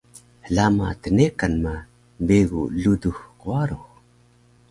hlama tnekan ma begu ludux qwarux